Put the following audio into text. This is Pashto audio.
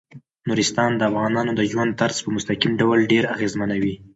نورستان د افغانانو د ژوند طرز په مستقیم ډول ډیر اغېزمنوي.